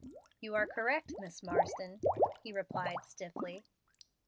"You are correct, Miss Marsden," he replied, stiffly.